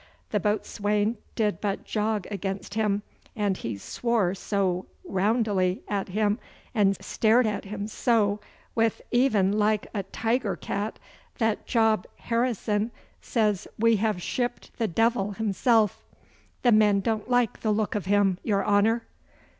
The boatswain did but jog against him, and he swore so woundily at him and stared at him so, wi' een like a tiger cat, that Job Harrison says we have shipped the devil himsel.' The men don't like the look of him, your honour!